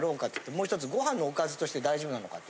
もうひとつご飯のおかずとして大丈夫なのかって。